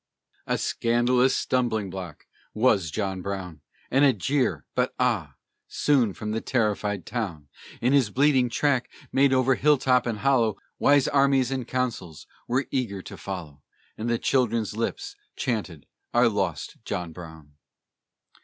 A scandalous stumbling block was John Brown, And a jeer; but ah! soon from the terrified town, In his bleeding track made over hilltop and hollow, Wise armies and councils were eager to follow, And the children's lips chanted our lost John Brown.